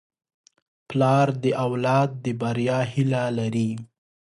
پلار د اولاد د بریا هیله لري.